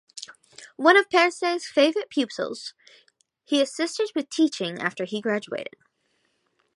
One of Pearse's favourite pupils, he assisted with teaching after he graduated.